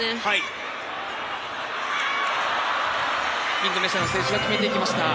インドネシアの選手が決めてきました。